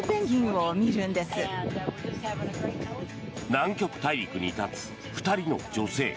南極大陸に立つ２人の女性。